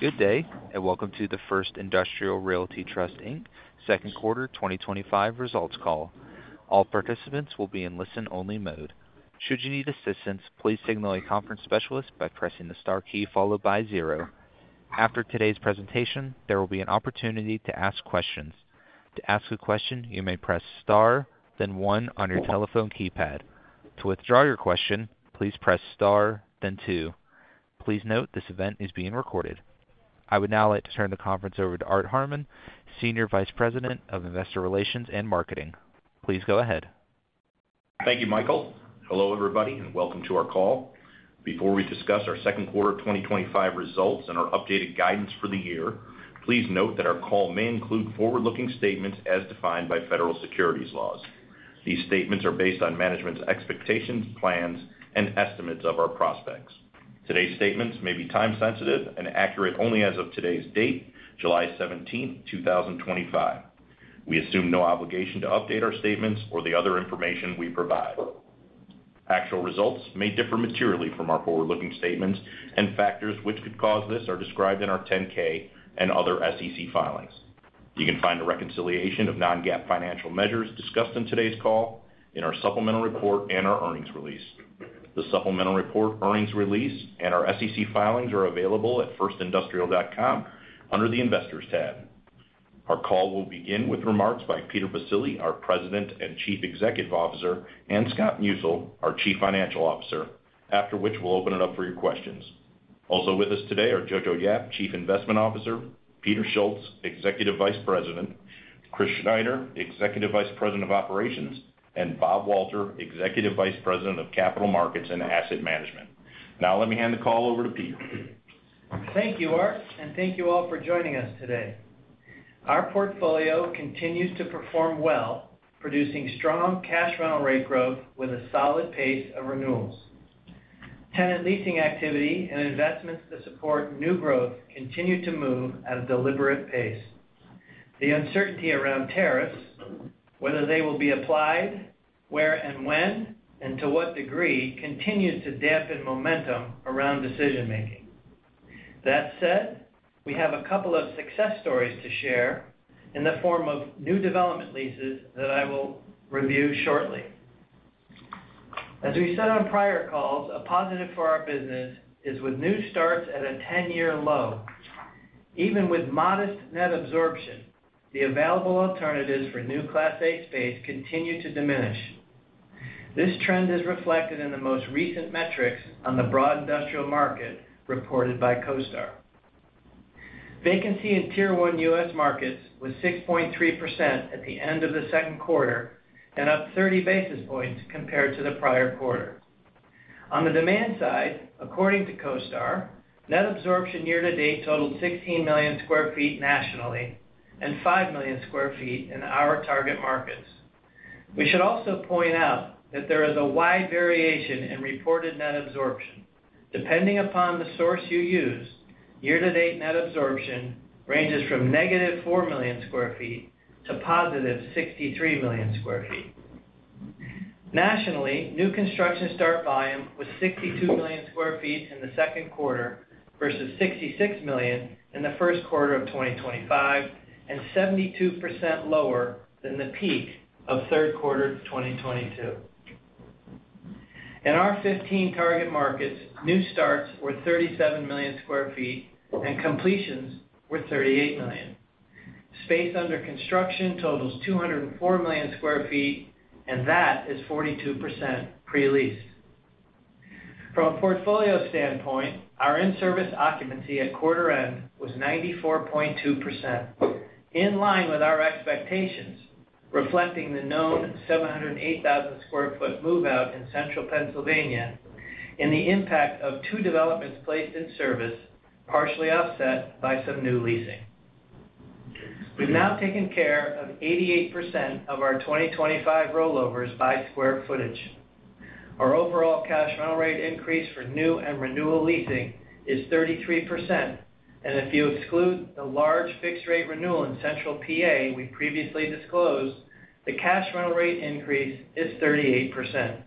Good day, and welcome to the First Industrial Realty Trust, Inc. Second Quarter twenty twenty May. All participants will be in listen only mode. After today's presentation, there will be an opportunity to ask questions. Please note this event is being recorded. I would now like to turn the conference over to Art Harman, Senior Vice President of Investor Relations and Marketing. Please go ahead. Thank you, Michael. Hello, everybody, and welcome to our call. Before we discuss our second quarter twenty twenty five results and our updated guidance for the year, please note that our call may include forward looking statements as defined by federal securities laws. These statements are based on management's expectations, plans and estimates of our prospects. Today's statements may be time sensitive and accurate only as of today's date, 07/17/2025. We assume no obligation to update our statements or the other information we provide. Actual results may differ materially from our forward looking statements and factors which could cause this are described in our 10 ks and other SEC filings. You can find a reconciliation of non GAAP financial measures discussed in today's call in our supplemental report and our earnings release. The supplemental report, earnings release, and our SEC filings are available at firstindustrial.com under the Investors tab. Our call will begin with remarks by Peter Basile, our President and Chief Executive Officer, and Scott Musil, our Chief Financial Officer, after which we'll open it up for your questions. Also with us today are Jojo Yap, Chief Investment Officer Peter Schultz, Executive Vice President Chris Schneider, Executive Vice President of Operations and Bob Walter, Executive Vice President of Capital Markets and Asset Management. Now let me hand the call over to Pete. Thank you, Art, and thank you all for joining us today. Our portfolio continues to perform well, producing strong cash rental rate growth with a solid pace of renewals. Tenant leasing activity and investments to support new growth continue to move at a deliberate pace. The uncertainty around tariffs, whether they will be applied, where and when, and to what degree continues to dampen momentum around decision making. That said, we have a couple of success stories to share in the form of new development leases that I will review shortly. As we said on prior calls, a positive for our business is with new starts at a ten year low. Even with modest net absorption, the available alternatives for new Class A space continue to diminish. This trend is reflected in the most recent metrics on the broad industrial market reported by CoStar. Vacancy in Tier one U. S. Markets was 6.3 at the end of the second quarter and up 30 basis points compared to the prior quarter. On the demand side, according to CoStar, net absorption year to date totaled 16,000,000 square feet nationally and 5,000,000 square feet in our target markets. We should also point out that there is a wide variation in reported net absorption. Depending upon the source you use, year to date net absorption ranges from negative 4,000,000 square feet to positive 63,000,000 square feet. Nationally, new construction start volume was 62,000,000 square feet in the second quarter versus 66,000,000 in the 2025 and seventy two percent lower than the peak of third quarter twenty twenty two. In our 15 target markets, new starts were 37,000,000 square feet and completions were 38,000,000. Space under construction totals two zero four million square feet, and that is 42% pre leased. From a portfolio standpoint, our in service occupancy at quarter end was 94.2%, in line with our expectations, reflecting the known 708,000 square foot move out in Central Pennsylvania and the impact of two developments placed in service, partially offset by some new leasing. We've now taken care of 88% of our twenty twenty five rollovers by square footage. Our overall cash rental rate increase for new and renewal leasing is 33%, and if you exclude the large fixed rate renewal in Central PA we previously disclosed, the cash rental rate increase is 38%.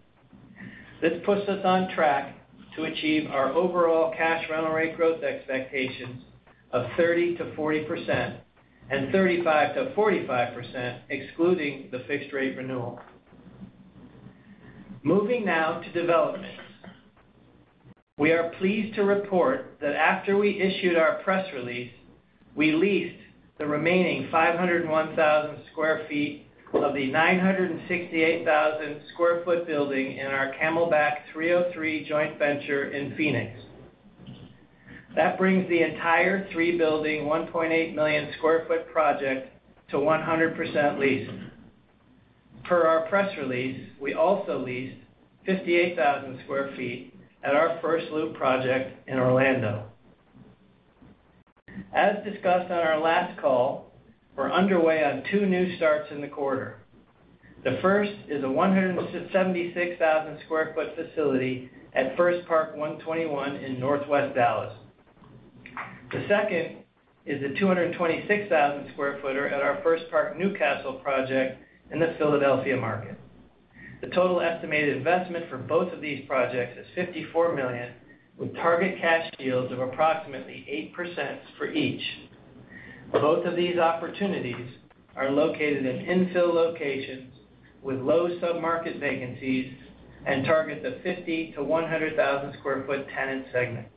This puts us on track to achieve our overall cash rental rate growth expectations of 30% to 4035% to 45%, excluding the fixed rate renewal. Moving now to developments. We are pleased to report that after we issued our press release, we leased the remaining 501,000 square feet of the 968,000 square foot building in our Camelback 303 joint venture in Phoenix. That brings the entire three building 1,800,000 square foot project to 100% leased. Per our press release, we also leased 58,000 square feet at our First Loop project in Orlando. As discussed on our last call, we're underway on two new starts in the quarter. The first is a 176,000 square foot facility at First Park 121 in Northwest Dallas. The second is the 226,000 square footer at our First Park New Castle project in the Philadelphia market. The total estimated investment for both of these projects is $54,000,000 with target cash yields of approximately 8% for each. Both of these opportunities are located in infill locations with low submarket vacancies and target the 50,000 to 100,000 square foot tenant segment.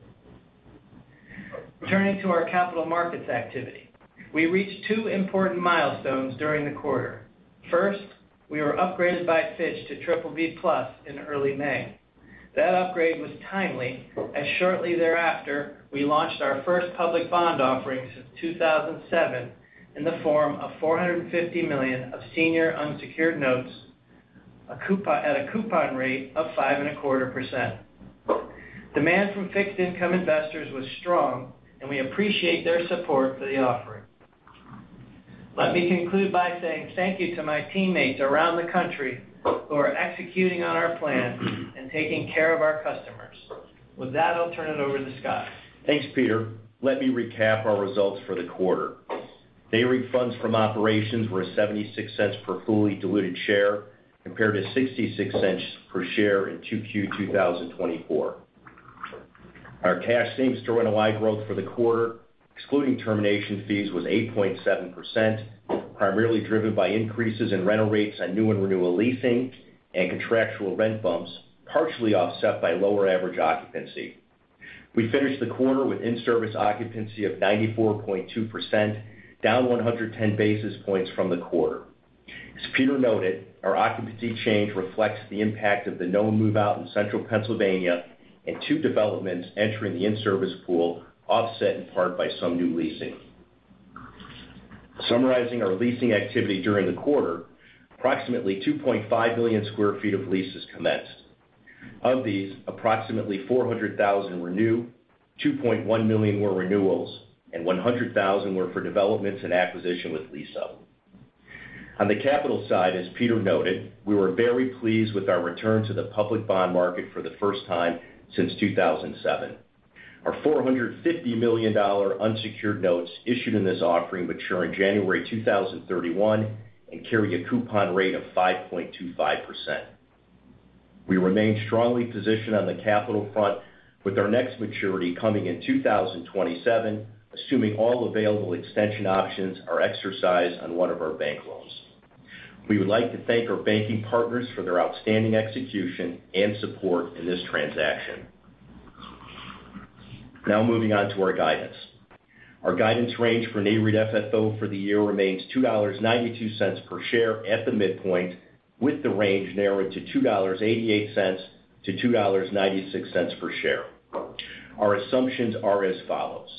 Turning to our capital markets activity. We reached two important milestones during the quarter. First, we were upgraded by Fitch to BBB plus in early May. That upgrade was timely, and shortly thereafter, we launched our first public bond offering since 2007 in the form of $450,000,000 of senior unsecured notes at a coupon rate of 5.25%. Demand from fixed income investors was strong, and we appreciate their support for the offering. Let me conclude by saying thank you to my teammates around the country who are executing on our plan and taking care of our customers. With that, I'll turn it over to Scott. Thanks, Peter. Let me recap our results for the quarter. Daybreak funds from operations were $0.76 per fully diluted share compared to $0.66 per share in 2Q twenty twenty four. Our cash same store NOI growth for the quarter, excluding termination fees, was 8.7%, primarily driven by increases in rental rates and new and renewal leasing and contractual rent bumps, partially offset by lower average occupancy. We finished the quarter with in service occupancy of 94.2%, down 110 basis points from the quarter. As Peter noted, our occupancy change reflects the impact of the known move out in Central Pennsylvania and two developments entering the in service pool offset in part by some new leasing. Summarizing our leasing activity during the quarter, approximately 2,500,000 square feet of leases commenced. Of these, approximately 400,000 were new, 2,100,000.0 were renewals and 100,000 were for developments and acquisition with lease up. On the capital side, as Peter noted, we were very pleased with our return to the public bond market for the first time since 02/2007. Our $450,000,000 unsecured notes issued in this offering mature in January 2031 and carry a coupon rate of 5.25%. We remain strongly positioned on the capital front with our next maturity coming in 2027 assuming all available extension options exercised on one of our bank loans. We would like to thank our banking partners for their outstanding execution and support in this transaction. Now moving on to our guidance. Our guidance range for NAREIT FFO for the year remains $2.92 per share at the midpoint with the range narrowed to $2.88 to $2.96 per share. Our assumptions are as follows: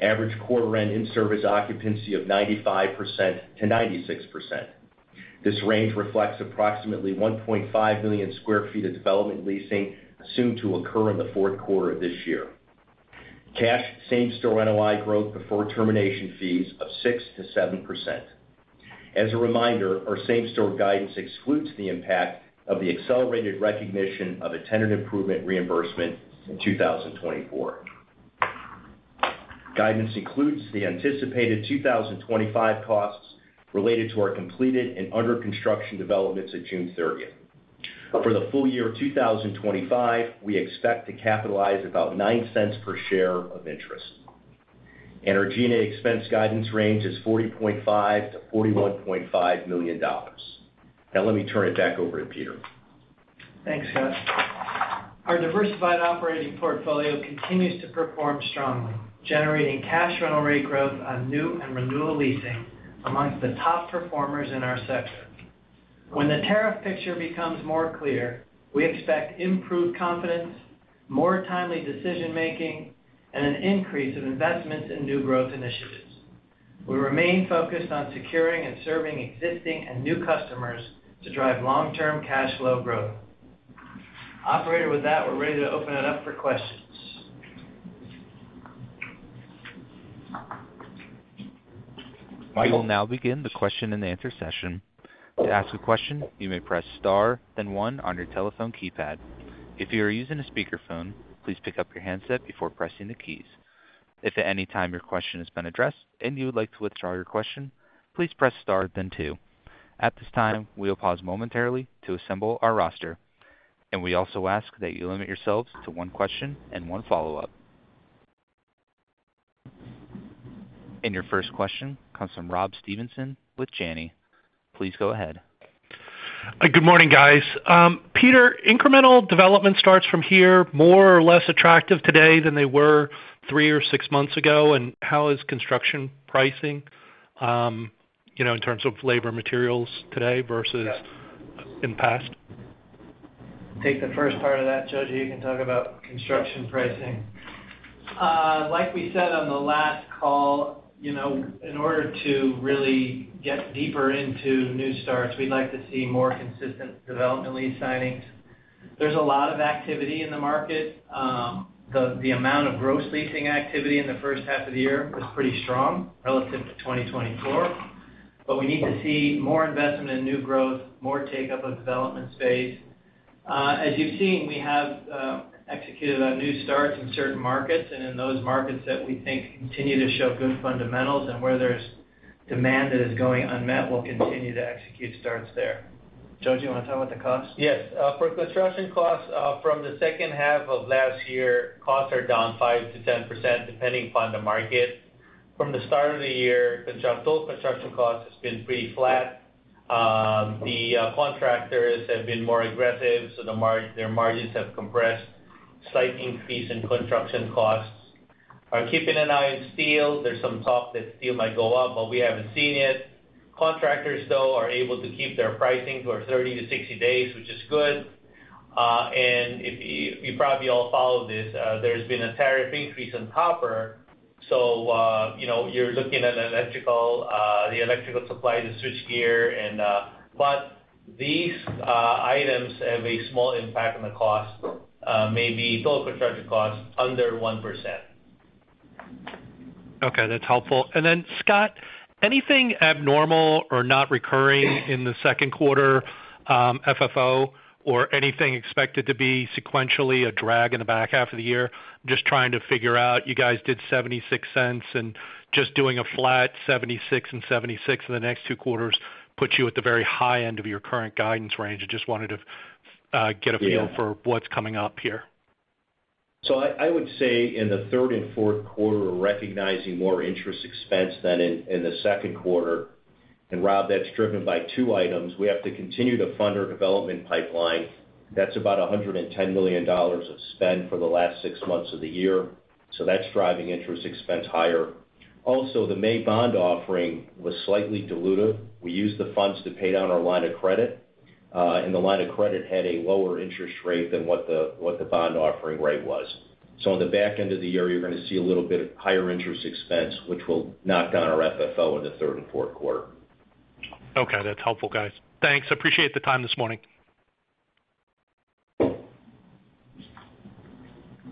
average quarter end in service occupancy of 95% to 96%. This range reflects approximately 1,500,000 square feet of development leasing assumed to occur in the fourth quarter of this year. Cash same store NOI growth before termination fees of 6% to 7%. As a reminder, our same store guidance excludes the impact of the accelerated recognition of a tenant improvement reimbursement in 2024. Guidance includes the anticipated 2025 costs related to our completed and under construction developments at June 30. For the full year 2025, we expect to capitalize about zero nine dollars per share of interest. And our G and A expense guidance range is $40,500,000 to $41,500,000 Now let me turn it back over to Peter. Thanks Scott. Our diversified operating portfolio continues to perform strongly, generating cash rental rate growth on new and renewal leasing amongst the top performers in our sector. When the tariff picture becomes more clear, we expect improved confidence, more timely decision making and an increase of investments in new growth initiatives. We remain focused on securing and serving existing and new customers to drive long term cash flow growth. Operator, with that, we're ready to open it up for questions. And your first question comes from Rob Stevenson with Janney. Please go ahead. Good morning, guys. Peter, incremental development starts from here more or less attractive today than they were three or six months ago. And how is construction pricing in terms of labor materials today versus take the first part of that. Joji, you can talk about construction pricing. Like we said on the last call, in order to really get deeper into new starts, we'd like to see more consistent development lease signings. There's a lot of activity in the market. The amount of gross leasing activity in the first half of the year is pretty strong relative to 2024, but we need to see more investment in new growth, more take up of development space. As you've seen, we have executed on new starts in certain markets, and in those markets that we think continue to show good fundamentals and where there's demand that is going unmet, we'll continue to execute starts there. Joe, do you want to talk about the costs? Yes. For construction costs, from the second half of last year, costs are down 5% to 10%, depending upon the market. From the start of the year, total construction cost has been pretty flat. The contractors have been more aggressive, so their margins have compressed, a slight increase in construction costs. Keeping an eye on steel, there's some talk that steel might go up, but we haven't seen it. Contractors, though, are able to keep their pricing for thirty to sixty days, which is good. You probably all follow this, there's been a tariff increase in copper, so you're looking at electrical supply to switch gears, but these items have a small impact on the cost, maybe total construction costs under 1%. Okay. That's helpful. And then, Scott, anything abnormal or not recurring in the second quarter FFO? Or anything expected to be sequentially a drag in the back half of the year? Just trying to figure out you guys did $0.76 and just doing a flat $0.76 and $0.76 in the next two quarters puts you at the very high end of your current guidance range. I just wanted to get a feel for what's coming up here. So I would say in the third and fourth quarter recognizing more interest expense than in the second quarter. And Rob that's driven by two items. We have to continue to fund our development pipeline. That's about $110,000,000 of spend for the last six months of the year. So that's driving interest expense higher. Also the May bond offering was slightly dilutive. We used the funds to pay down our line of credit. And the line of credit had a lower interest rate than what the bond offering rate was. So on the back end of the year, you're going to see a little bit of higher interest expense which will knock down our FFO in the third and fourth quarter. Okay, that's helpful guys. Thanks. Appreciate the time this morning.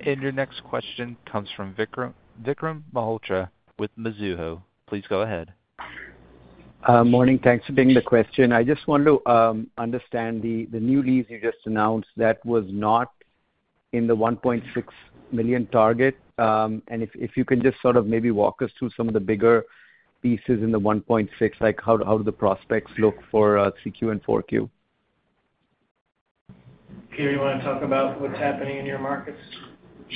And your next question comes from Vikram Malhotra with Mizuho. Please go ahead. Good morning. Thanks for taking the question. I just want to understand the new lease you just announced that was not in the $1,600,000 target. And if you can just sort of maybe walk us through some of the bigger pieces in the $1.6 like how do the prospects look for 3Q and 4Q? Peter, you want to talk about what's happening in your markets?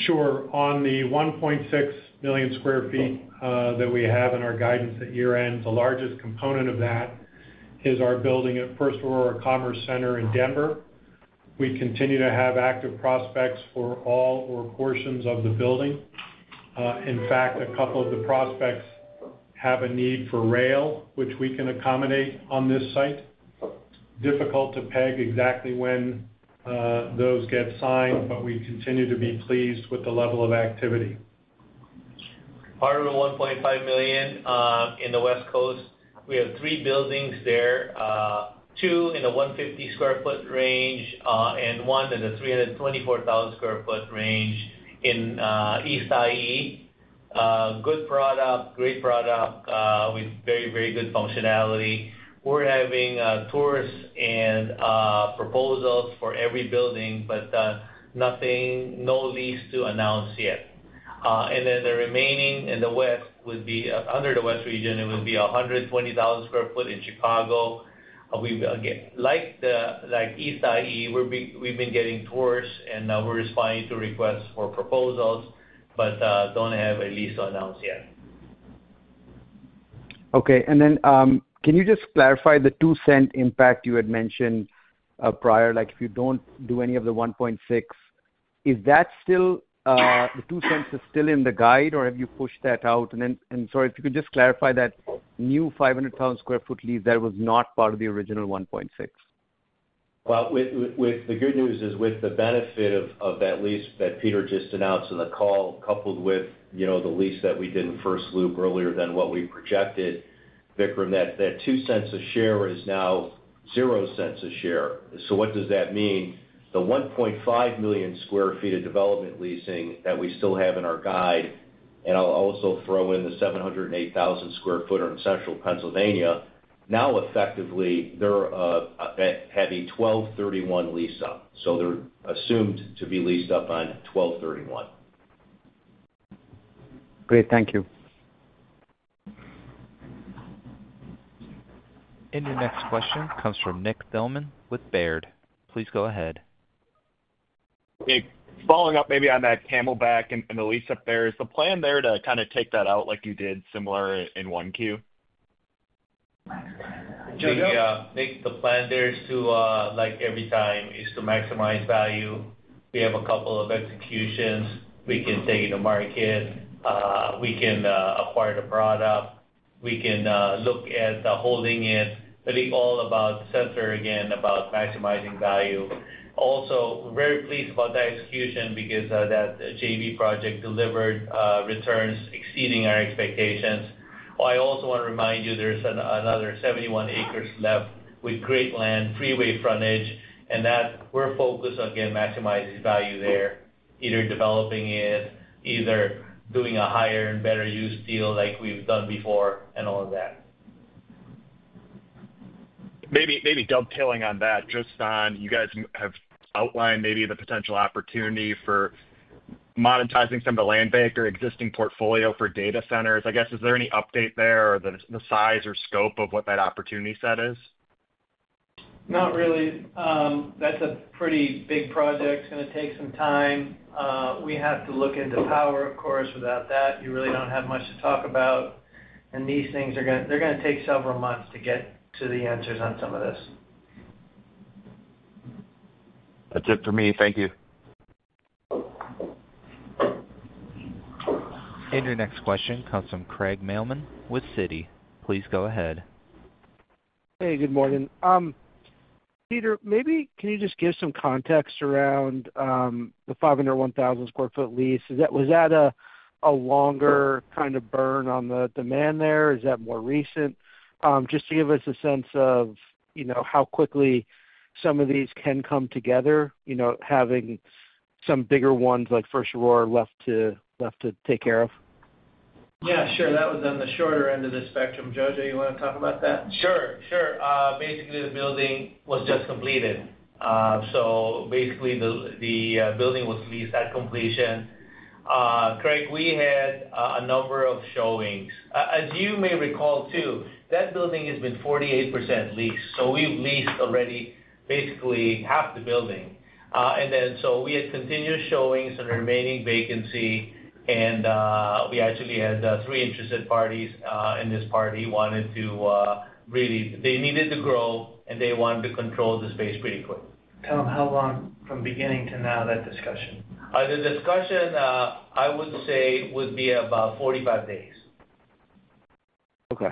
Sure. On the 1,600,000 square feet that we have in our guidance at year end, the largest component of that is our building at First Aurora Commerce Center in Denver. We continue to have active prospects for all or portions of the building. In fact, a couple of the prospects have a need for rail, which we can accommodate on this site. Difficult to peg exactly when those get signed, but we continue to be pleased with the level of activity. Part of the $1,500,000 in the West Coast, We have three buildings there, two in the 150 square foot range and one in the 324,000 square foot range in East IE. Good product, great product with very, very good functionality. We're having tours and proposals for every building, but no lease to announce yet. And then the remaining in the West would be under the West Region, it would be 120,000 square foot in Chicago. Like East IE, we've been getting tours and we're responding to requests for proposals, but don't have a lease to announce yet. Okay. And then can you just clarify the $02 impact you had mentioned prior, like if you don't do any of the $1.6 is that still the $02 is still in the guide or have you pushed that out? And and sorry, if you could just clarify that new 500,000 square foot lease that was not part of the original 1.6? Well, with the good news is with the benefit of that lease that Peter just announced in the call coupled with the lease that we did in first loop earlier than what we projected, Vikram, that $02 a share is now $00 a share. So what does that mean? The 1,500,000 square feet of development leasing that we still have in our guide, And I'll also throw in the 708,000 square foot in Central Pennsylvania. Now effectively they're heavy twelvethirty one lease up. So they're assumed to be leased up on twelvethirty one. Great. Thank you. And your next question comes from Nick Thielman with Baird. Please go ahead. Following up maybe on that Camelback and the lease up there, is the plan there to kind of take that out like you did similar in 1Q? The plan there is to maximize value. We have a couple of executions we can take to market, we can acquire the product, we can look at holding it, but it's all about the center again, about maximizing value. Also, we're very pleased about the execution because that JV project delivered returns exceeding our expectations. I also want to remind you there's another 71 acres left with great land, freeway frontage, and we're focused on maximizing value there, either developing it, either doing a higher and better use deal like we've done before, and all of that. Maybe dovetailing on that, just on you guys have outlined maybe the potential opportunity for monetizing some of the land bank or existing portfolio for data centers. I guess is there any update there, the size or scope of what that opportunity set is? Not really. That's a pretty big project. It's going to take some time. We have to look into power, of course. Without that, you really don't have much to talk about. And these things are going to take several months to get to the answers on some of this. That's it for me. Thank you. And your next question comes from Craig Mailman with Citi. Please go ahead. Hey, good morning. Peter, maybe can you just give some context around the 501,000 square foot lease? Was that a longer kind of burn on the demand there? Is that more recent? Just to give us a sense of how quickly some of these can come together, having some bigger ones like First Aurora left to take care of? Yeah, sure. That was on the shorter end of the spectrum. JoJo, do want to talk about that? Sure, sure. Basically the building was just completed, so basically the building was leased at completion. Craig, we had a number of showings. As you may recall too, that building has been 48% leased, so we leased already basically half the building. So, we had continuous showings of the remaining vacancy, and we actually had three interested parties in this party. They needed to grow and they wanted to control the space pretty quick. Tell them how long from beginning to now, that discussion? The discussion, I would say, would be about forty five days. Okay.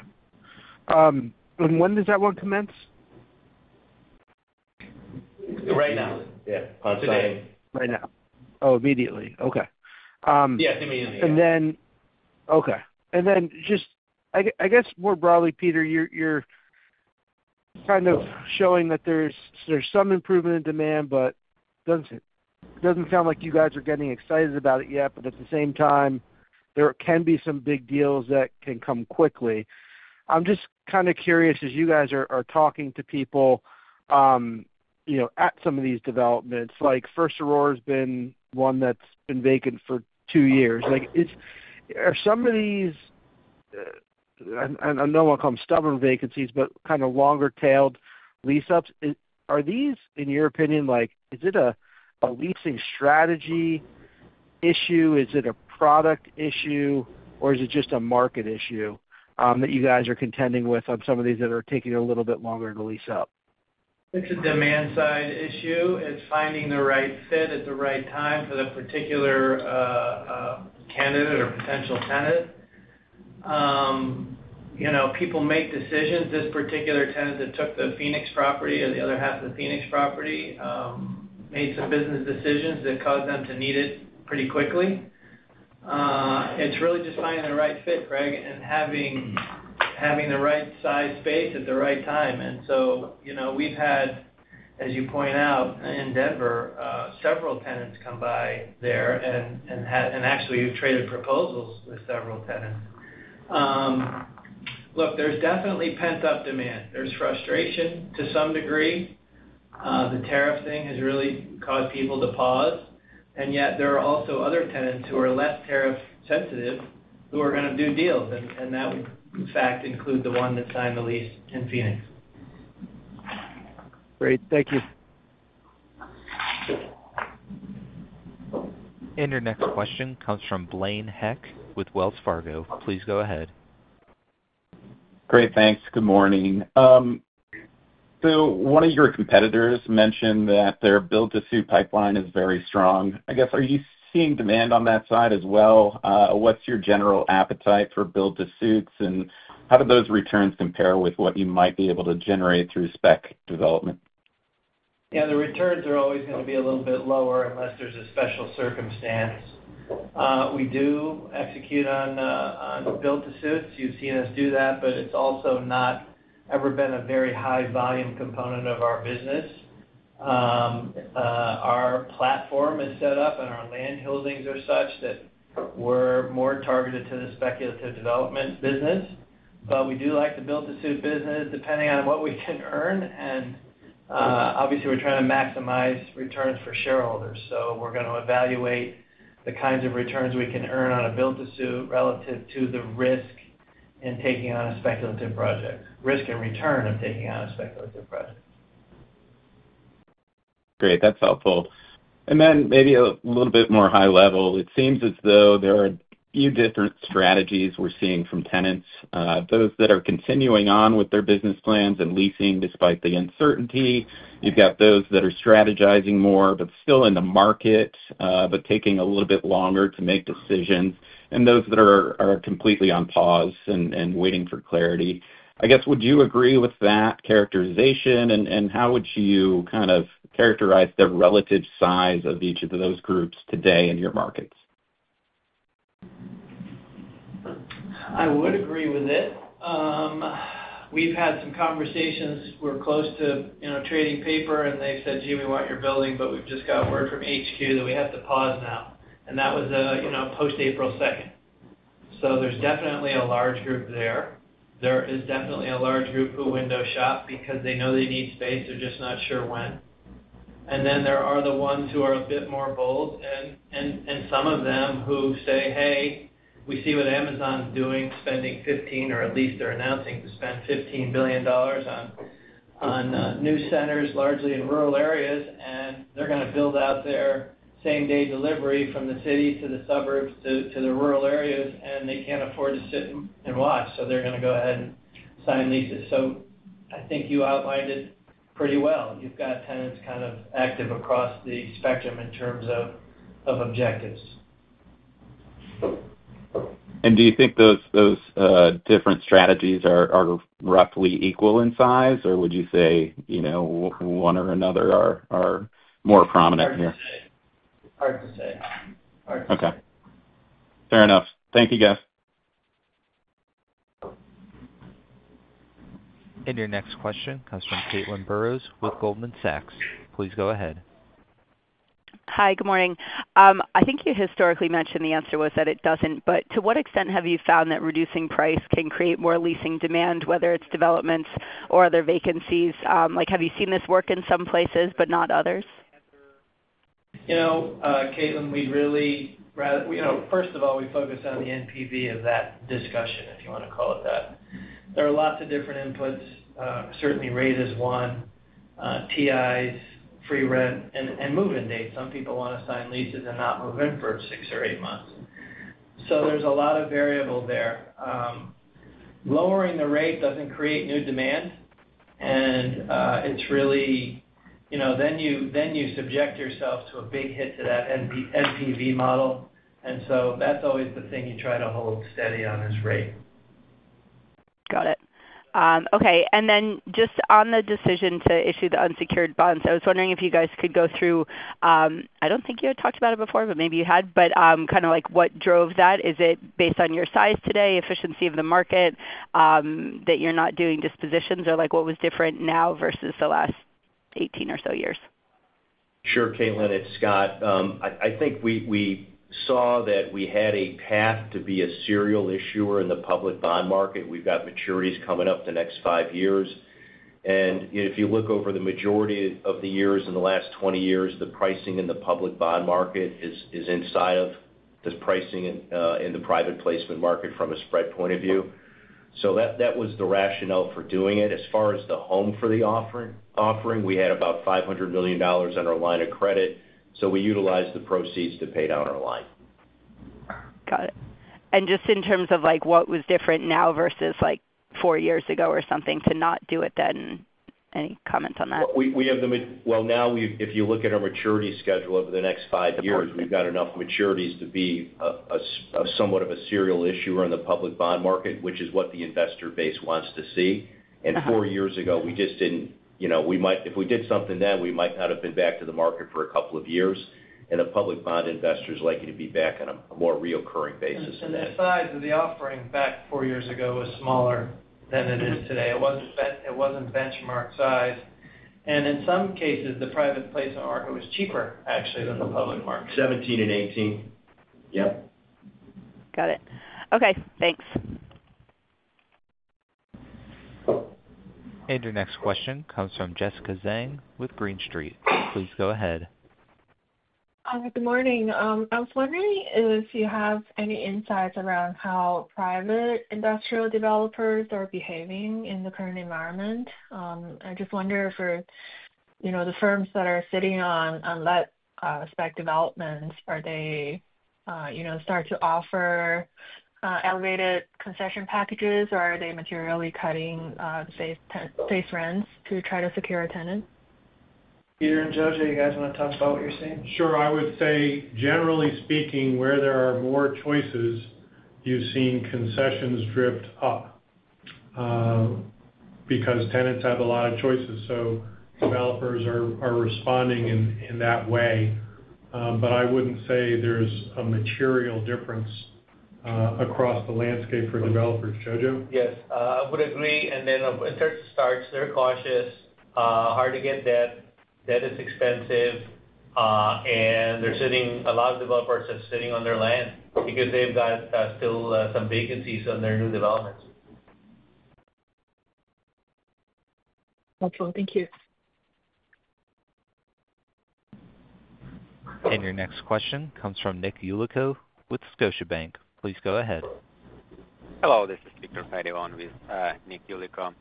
And when does that one commence? Right now. Yeah. On today. Right now. Oh, immediately. Okay. Yes. Immediately. Okay. And then just I guess more broadly, Peter, you're kind of showing that there's some improvement in demand but doesn't sound like you guys are getting excited about it yet but at the same time there can be some big deals that can come quickly. I'm just kind of curious as you guys are talking to people at some of these developments like First Aurora has been one that's been vacant for two years. Some of these and I know I'll call them stubborn vacancies, but kind of longer tailed lease ups. Are these in your opinion like is it a leasing strategy issue? Is it a product issue? Or is it just a market issue that you guys are contending with on some of these that are taking a little bit longer to lease up? It's a demand side issue. It's finding the right fit at the right time for the particular candidate or potential tenant. People make decisions. This particular tenant that took the Phoenix property or the other half of the Phoenix property made some business decisions that caused them to need it pretty quickly. It's really just finding the right fit, Greg, and having the right sized space at the right time. And so, we've had, as you point out, in Denver, several tenants come by there and actually traded proposals with several tenants. Look, there's definitely pent up demand. There's frustration to some degree. The tariff thing has really caused people to pause, and yet there are also other tenants who are less tariff sensitive who are going to do deals, that would in fact include the one that signed the lease in Phoenix. Great. Thank you. And your next question comes from Blaine Heck with Wells Fargo. Please go ahead. Great. Thanks. Good morning. So one of your competitors mentioned that their build to suit pipeline is very strong. I guess are you seeing demand on that side as well? What's your general appetite for build to suits? And how do those returns compare with what you might be able to generate through spec development? Yeah, the returns are always going to be a little bit lower unless there's a special circumstance. We do execute on build to suits. You've seen us do that, but it's also not ever been a very high volume component of our business. Our platform is set up and our land holdings are such that we're more targeted to the speculative development business, but we do like the build to suit business depending on what we can earn, and obviously we're trying to maximize returns for shareholders, so we're going to evaluate the kinds of returns we can earn on a build to suit relative to the risk in taking on a speculative project risk and return of taking on a speculative project. Great. That's helpful. And then maybe a little bit more high level. It seems as though there are a few different strategies we're seeing from tenants, those that are continuing on with their business plans and leasing despite the uncertainty. You've got those that are strategizing more, but still in the market, but taking a little bit longer to make decisions and those that are completely on pause and waiting for clarity. I guess would you agree with that characterization and how would you kind of characterize the relative size of each of those groups today in your markets? I would agree with it. We've had some conversations. We're close to trading paper and they've said, Gee, we want your building, but we've just got word from HQ that we have to pause now. And that was post April 2. So there's definitely a large group there. There is definitely a large group who window shop because they know they need space, they're just not sure when. And then there are the ones who are a bit more bold, and some of them who say, Hey, we see what Amazon is doing, spending 15, or at least they're announcing to spend $15,000,000,000 on new centers largely in rural areas, and they're going to build out their same day delivery from the city to the suburbs to the rural areas, and they can't afford to sit and watch, so they're going to go ahead and sign leases. So I think you outlined it pretty well. You've got tenants kind of active across the spectrum in terms of objectives. And do you think those different strategies are roughly equal in size, or would you say one or another are more prominent here? Hard to say. Okay. Fair enough. Thank you guys. And your next question comes from Caitlin Burrows with Goldman Sachs. Please go ahead. Hi, good morning. I think you historically mentioned the answer was that it doesn't, but to what extent have you found that reducing price can create more leasing demand, whether it's developments or other vacancies? Like, have you seen this work in some places but not others? Know, Caitlin, first of all, focus on the NPV of that discussion, if you want to call it that. There are lots of different inputs. Certainly, rate is one, TIs, free rent, and move in dates. Some people want to sign leases and not move in for six or eight months. So there's a lot of variable there. Lowering the rate doesn't create new demand, and it's really then you subject yourself to a big hit to that NPV model, and so that's always the thing you try to hold steady on is rate. Got it. Okay. And then just on the decision to issue the unsecured bonds, I was wondering if you guys could go through, I don't think you had talked about it before, but maybe you had, but kind of like what drove that? Is it based on your size today, efficiency of the market that you're not doing dispositions or like what was different now versus the last eighteen or so years? Sure Caitlin, it's Scott. I think we saw that we had a path to be a serial issuer in the public bond market. We've got maturities coming up the next five years. And if you look over the majority of the years in the last twenty years, the pricing in the public bond market is inside of this pricing in the private placement market from a spread point of view. So that was the rationale for doing it. As far as the home for the offering, we had about $500,000,000 on our line of credit. So we utilized the proceeds to pay down our line. Got it. And just in terms of like what was different now versus like four years ago or something to not do it then, any comments on that? Well, now if you look at our maturity schedule over the next five years, we've got enough maturities to be somewhat of a serial issuer in the public bond market, which is what the investor base wants to see. And four years ago, we just didn't we might if we did something then, we might not have been back to the market for a couple of years and a public bond investor is likely to be back on a more reoccurring basis than And the size of the offering back four years ago was smaller than it is today. It wasn't benchmark size. And in some cases, the private placement market was cheaper actually than the public market. 'seventeen and 'eighteen. Got it. Okay, thanks. And your next question comes from Jessica Zhang with Green Street. Please go ahead. Good morning. I was wondering if you have any insights around how private industrial developers are behaving in the current environment. I just wonder for, you know, the firms that are sitting on, let spec developments, are they, start to offer, elevated concession packages or are they materially cutting safe rents to try to secure a tenant? Peter and Jojo, you guys want to talk about what you're seeing? Sure, I would say generally speaking where there are more choices, you've seen concessions drift up because tenants have a lot of choices, so developers are responding in that way. But I wouldn't say there is a material difference across the landscape for developers. Jojo? Yes, I would agree. And then, in terms of starts, they are cautious, hard to get debt, debt is expensive, and a lot of developers are sitting on their land because they've got still some vacancies on their new developments. Helpful, thank you. And your next question comes from Nick Yulico with Scotiabank. Please go ahead. Hello, this is Victor Feddevon with Nick Yulico.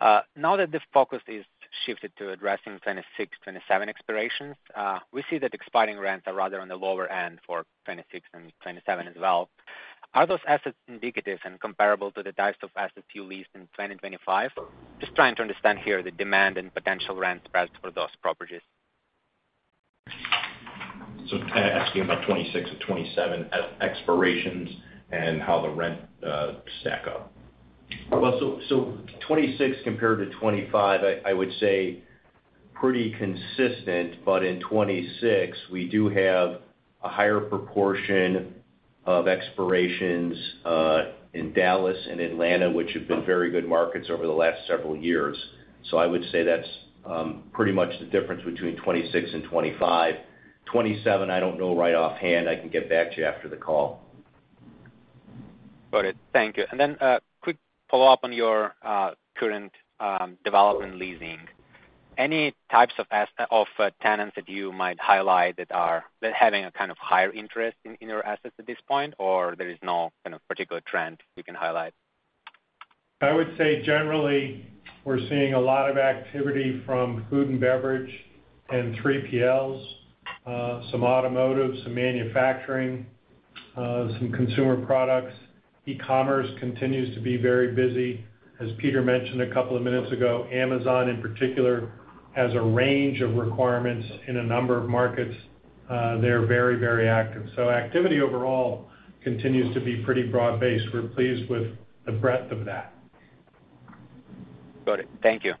Now that the focus is shifted to addressing 2627 expirations, we see that expiring rents are rather on the lower end for '26 and '27 as well. Are those assets indicative and comparable to the types of assets you leased in 2025? Just trying to understand here the demand and potential rents passed for those properties. Asking about 'twenty six and 'twenty seven expirations and how the rent stack up. So 'twenty six compared to 'twenty five, I would say pretty consistent, but in '26, we do have a higher proportion of expirations in Dallas and Atlanta, which have been very good markets over the last several years. So I would say that's pretty much the difference between 2625%. 27%, I don't know right off hand. I can get back to you after the call. Got it. Thank you. And then a quick follow-up on your current development Any types of tenants that you might highlight that are having a kind of higher interest in your assets at this point or there is no kind of particular trend you can highlight? I would say generally we're seeing a lot of activity from food and beverage and 3PLs, some automotive, some manufacturing, some consumer products. E commerce continues to be very busy. As Peter mentioned a couple of minutes ago, Amazon in particular has a range of requirements in a number of markets. They are very, very active. So activity overall continues to be pretty broad based. We're pleased with the breadth of that. Got it. Thank you.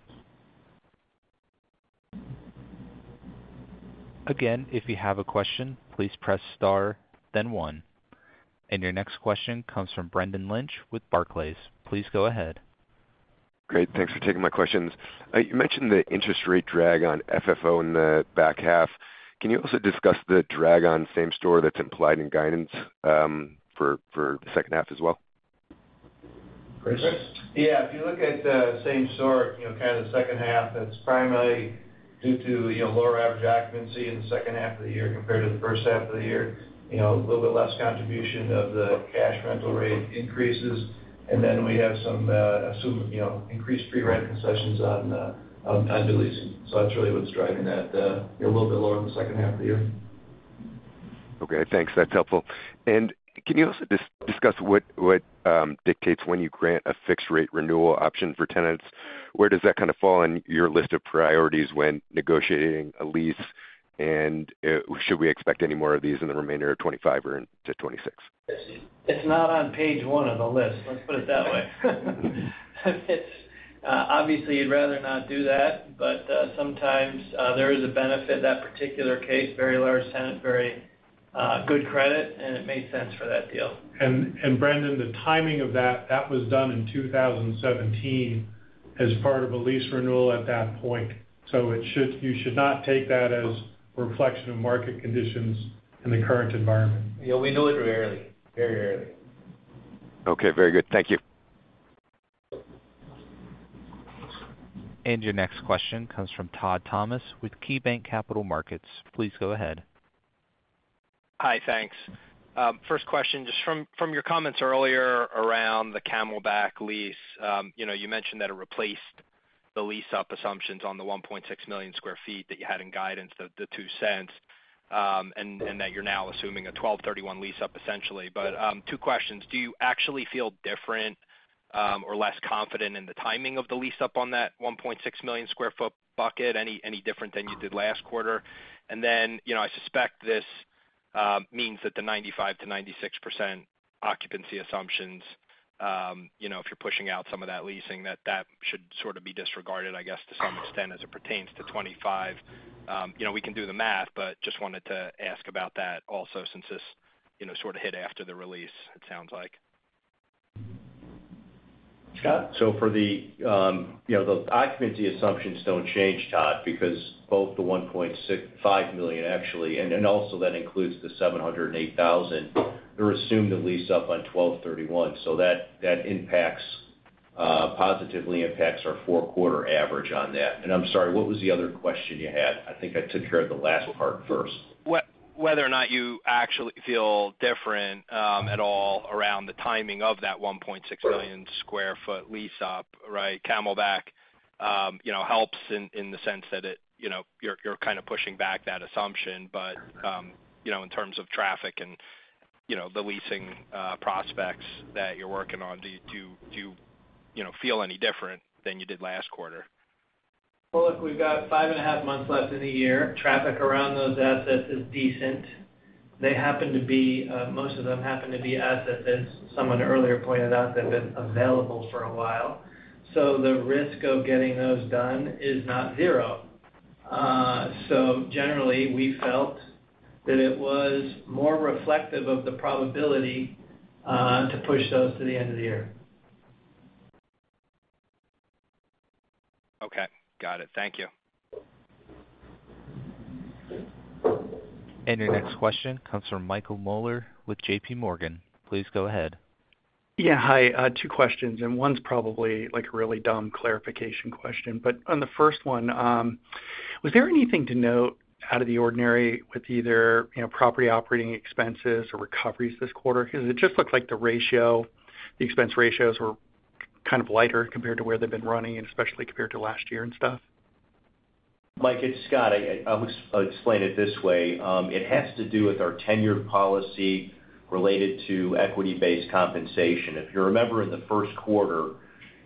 And your next question comes from Brendan Lynch with Barclays. Please go ahead. Great. Thanks for taking my questions. You mentioned the interest rate drag on FFO in the back half. Can you also discuss the drag on same store that's implied in guidance for the second half as well? Chris? Yes. If you look at same store kind of the second half, that's primarily due to lower average occupancy in the second half of the year compared to the first half of the year, a little bit less contribution of the cash rental rate increases. And then we have some assumed increased pre rent concessions on the leasing. So that's really what's driving that a little bit lower in the second half of the year. And can you also discuss what dictates when you grant a fixed rate renewal option for tenants? Where does that kind of fall in your list of priorities when negotiating a lease? And should we expect any more of these in the remainder of '25 or into '26? It's not on page one of the list, let's put it that way. Obviously, you'd rather not do that, but sometimes there is a benefit in that particular case, very large tenant, very good credit, and it made sense for that deal. And Brendan, the timing of that, that was done in 2017 as part of a lease renewal at that point, so you should not take that as a reflection of market conditions in the current environment. Yes, we know it very rarely, very rarely. Okay, very good. Thank you. And your next question comes from Todd Thomas with KeyBanc Capital Markets. Please go ahead. Hi, thanks. First question, just from your comments earlier around the Camelback lease, you mentioned that it replaced the lease up assumptions on the 1,600,000 square feet that you had in guidance, the zero two dollars and that you're now assuming a twelvethirty 1 lease up essentially. But two questions. Do you actually feel different or less confident in the timing of the lease up on that 1,600,000 square foot bucket, any different than you did last quarter? And then I suspect this means that the 95% to 96% occupancy assumptions, if you're pushing out some of that leasing that that should sort of be disregarded, guess, to some extent as it pertains to 25%. We can do the math, but just wanted to ask about that also since this sort of hit after the release, it sounds like. Scott? So for the occupancy assumptions don't change, Todd, because both the $1,500,000 actually and also that includes the $708,000 that are assumed to lease up on twelvethirty one. So that impacts positively impacts our four quarter average on that. And I'm sorry, what was the other question you had? I think I took care of the last part first. Whether or not you actually feel different at all around the timing of that 1,600,000 square foot lease up, right? Camelback helps in the sense that you're kind of pushing back that assumption, but in terms of traffic and the leasing prospects that you're working on, do you feel any different than you did last quarter? Well, look, we've got five and a half months left in the year. Traffic around those assets is decent. They happen to be most of them happen to be assets, as someone earlier pointed out, that have been available for a while. So, the risk of getting those done is not zero. So, generally, we felt that it was more reflective of the probability to push those to the end of the year. Okay. Got it. Thank you. And your next question comes from Michael Moeller with JPMorgan. Please go ahead. Yes. Hi. Two questions. And one's probably like a really dumb clarification question. But on the first one, was there anything to note out of the ordinary with either property operating expenses or recoveries this quarter? Because it just looks like the ratio, the expense ratios were kind of lighter compared to where they've been running and especially compared to last year and stuff. Mike, it's Scott. I'll explain it this way. It has to do with our tenured policy related to equity based compensation. If you remember in the first quarter,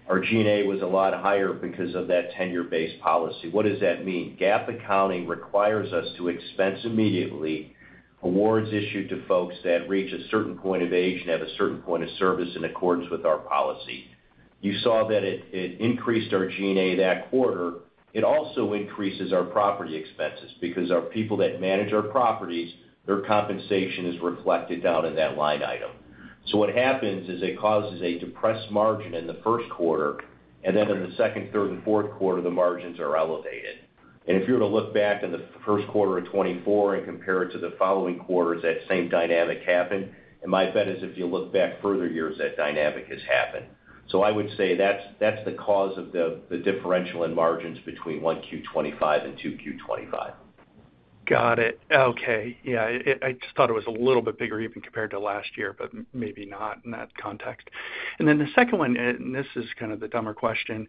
our G and A was a lot higher because of that tenure based policy. What does that mean? GAAP accounting requires us to expense immediately awards issued to folks that reach a certain point of age and have a certain point of service in accordance with our policy. You saw that it increased our G and A that quarter. It also increases our property expenses because our people that manage our properties, their compensation is reflected down in that line item. So what happens is it causes a depressed margin in the first quarter and then in the second, third and fourth quarter the margins are elevated. And if you were to look back in the 2024 and compare it to the following quarters that same dynamic happened. And my bet is if you look back further years that dynamic has happened. So I would say that's the cause of the differential in margins between 1Q twenty twenty five and 2Q twenty twenty five. Got it. Okay. Yes, I just thought it was a little bit bigger even compared to last year, but maybe not in that context. And then the second one, and this is kind of the dumber question.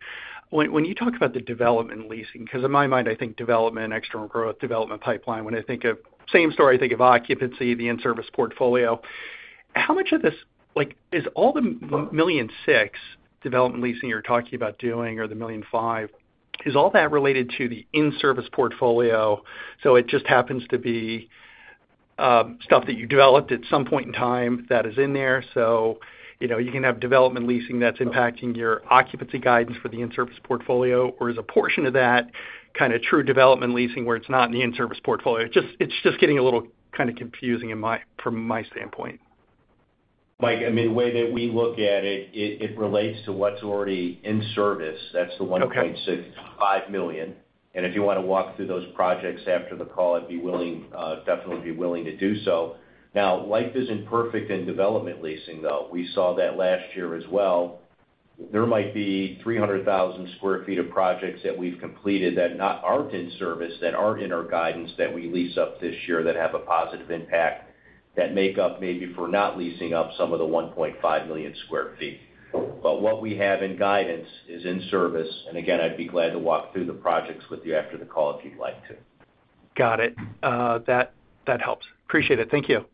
When you talk about the development leasing, because in my mind, I think development, external growth, development pipeline, when I think of same story, think of occupancy, the in service portfolio. How much of this like is all the 1,000,000 point dollars development leasing you're talking about doing or the 1.5 is all that related to the in service portfolio? So it just happens to be, stuff that you developed at some point in time that is in there. So you can have development leasing that's impacting your occupancy guidance for the in service portfolio? Or is a portion of that kind of true development leasing where it's not in the in service portfolio? It's just getting a little kind of confusing from my standpoint. Mike, mean, way that we look at it, it relates to what's already in service. That's the 1,650,000.00 If you want to walk through those projects after the call, I'd definitely be willing to do so. Now life isn't perfect in development leasing though. We saw that last year as well. There might be 300,000 square feet of projects that we've completed that aren't in service, that aren't in our guidance, that we lease up this year that have a positive impact, that make up maybe for not leasing up some of the 1,500,000 square feet. But what we have in guidance is in service. Again, I'd be glad to walk through the projects with you after the call if you'd like to. Got it. That helps. Appreciate it. Thank you.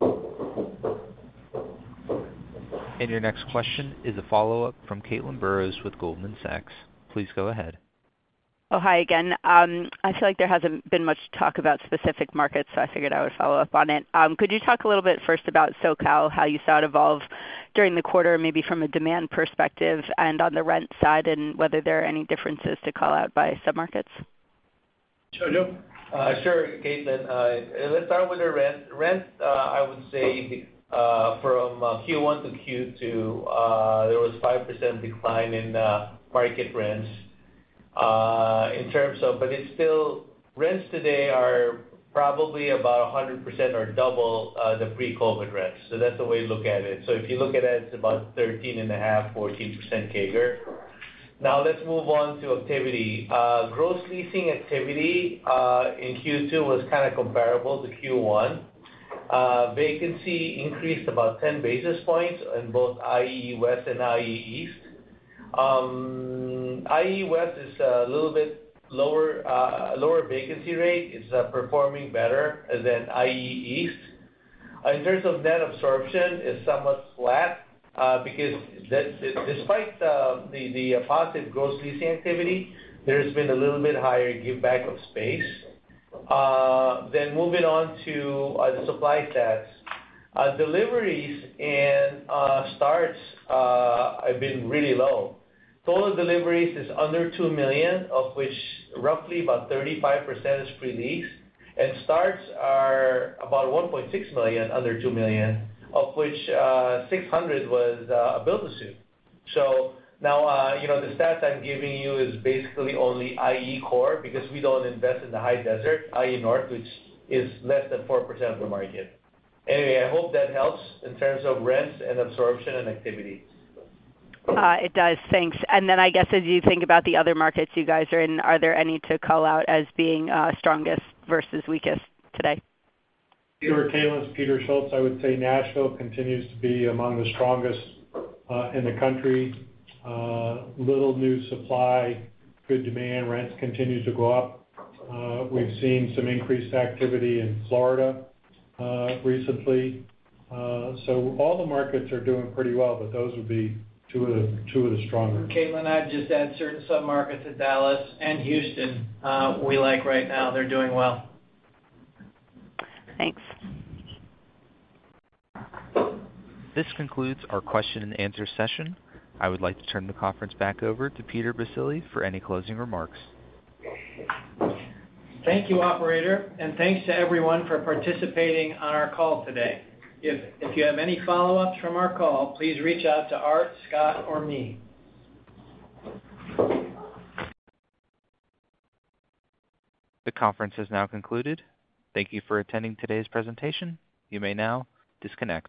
And your next question is a follow-up from Caitlin Burrows with Goldman Sachs. Please go ahead. Hi again. I feel like there hasn't been much talk about specific markets, so I figured I would follow-up on it. Could you talk a little bit first about SoCal, how you saw it evolve during the quarter maybe from a demand perspective and on the rent side, and whether there are any differences to call out by submarkets? Sergio? Sure, Caitlin. Let's start with the rent. Rent, I would say, from Q1 to Q2, there was a 5% decline in market rents, but it's still rents today are probably about 100% or double the pre COVID rents. That's the way to look at it. If you look at it, it's about 13.5%, 14% CAGR. Now let's move on to activity. Gross leasing activity in Q2 was kind of comparable to Q1. Vacancy increased about 10 basis points in both IEE West and IE East. IE West is a little bit lower vacancy rate. It's performing better than IE East. In terms of net absorption, it's somewhat flat because despite the positive gross leasing activity, there has been a little bit higher giveback of space. Then moving on to supply tests, deliveries and starts have been really low. Total deliveries is under $2,000,000 of which roughly about 35% is pre leased, and starts are about $1,600,000 under $2,000,000 of which 600,000,000 was a build to suit. So now, the stats I'm giving you is basically only IE Core because we don't invest in the High Desert, IE North, which is less than 4% of the market. Anyway, I hope that helps in terms of rents and absorption and activity. It does, thanks. And then I guess as you think about the other markets you guys are in, are there any to call out as being strongest versus weakest today? Peter Kalin, it's Peter Schultz. I would say Nashville continues to be among the strongest in the country. Little new supply, good demand, rents continue to go up. We've seen some increased activity in Florida recently. So all the markets are doing pretty well, but those would be two of the stronger. Caitlin, I'd just add certain submarkets of Dallas and Houston we like right now. They're doing well. Thanks. This concludes our question and answer session. I would like to turn the conference back over to Peter Basile for any closing remarks. Thank you, operator, and thanks to everyone for participating on our call today. If you have any follow ups from our call, please reach out to Art, Scott or me. The conference has now concluded. Thank you for attending today's presentation. You may now disconnect.